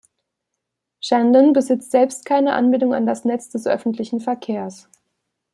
Chandon besitzt selbst keine Anbindung an das Netz des öffentlichen Verkehrs.